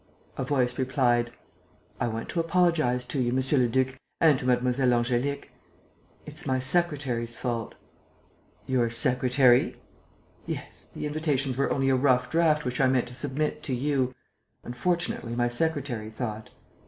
A voice replied: "I want to apologize to you, monsieur le duc, and to Mlle. Angélique. It's my secretary's fault." "Your secretary?" "Yes, the invitations were only a rough draft which I meant to submit to you. Unfortunately my secretary thought...."